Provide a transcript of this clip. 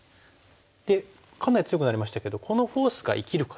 でかなり強くなりましたけどこのフォースが生きるかどうか。